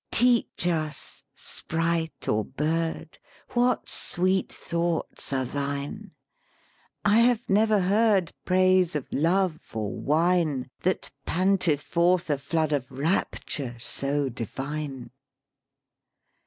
"Teach us, sprite or bird, What sweet thoughts are thine: I have never heard Praise of love or wine That panted forth a flood of rapture so divine.